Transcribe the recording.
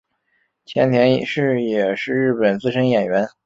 千田是也是日本资深演员。